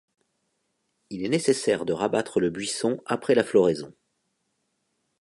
Il est nécessaire de rabattre le buisson après la floraison.